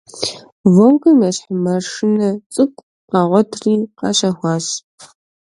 «Волгэм» ещхь маршынэ цӀыкӀу къагъуэтри къащэхуащ.